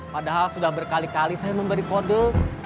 padahal sudah berkali kali saya memberi kode